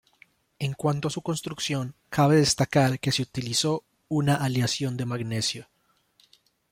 En cuanto a su construcción, cabe destacar que se utilizó una aleación de magnesio.